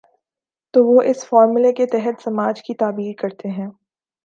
تو وہ اس فارمولے کے تحت سماج کی تعبیر کرتے ہیں۔